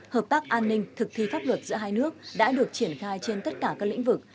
hợp tác an ninh thực thi pháp luật giữa hai nước đã được triển khai trên tất cả các lĩnh vực